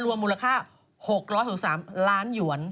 รวมมูลค่า๖๐๐๓ล้านหยวน